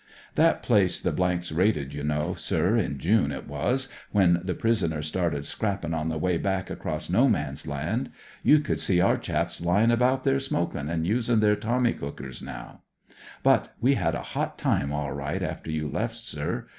That place the *s raided, you know, sir, in June it was, when the prisoners started scrappin* on the way back across No Man's Land. You could see our chaps lying about there smokin' and usin* their Tommy's cookers now. " But we had a hot time all right after you left, sir.